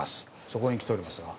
そこに来ておりますが。